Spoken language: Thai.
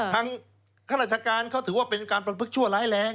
ข้าราชการเขาถือว่าเป็นการประพฤกชั่วร้ายแรง